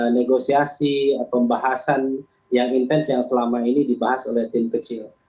negosiasi pembahasan yang intens yang selama ini dibahas oleh tim kecil